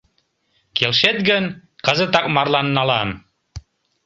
Келшет гын, кызытак марлан налам...